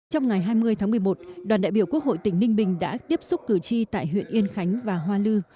trong ngày hai mươi tháng một mươi một đoàn đại biểu quốc hội tỉnh ninh bình đã tiếp xúc cử tri tại huyện yên khánh và hoa lư